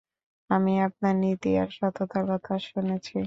আমি আপনার নীতি আর সততার কথা শুনেছি।